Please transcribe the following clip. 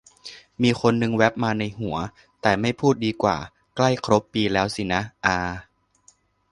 มีคนนึงแว๊บมาในหัว แต่ ไม่พูดดีกว่า ใกล้ครบปีแล้วสินะ อา